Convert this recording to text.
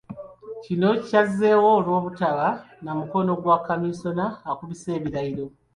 Kino kyazzeewo olw'obutaba na mukono gwa Kamisona akubisa ebirayiro.